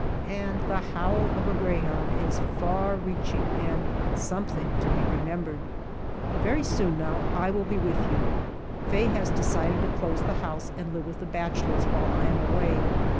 And the howl of a greyhound is far reaching and something to be remembered. Very soon now I will be with you! Faye has decided to close the house and live with the bachelors while I am away.